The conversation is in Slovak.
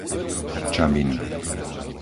Čabiny